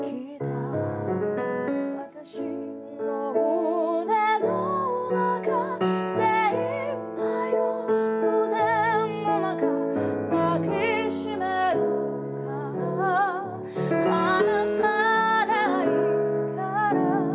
「わたしの腕の中精いっぱいの腕の中」「抱きしめるから離さないから」